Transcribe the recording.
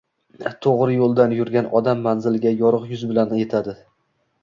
to’g’ri yo’ldan yurgan odam manziliga yorug’ yuz bilan yetadi.